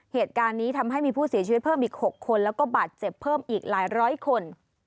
เหตุการณ์นี้ทำให้มีผู้เสียชีวิตเพิ่มอีก๖คนแล้วก็บาดเจ็บเพิ่มอีกหลายร้อยคน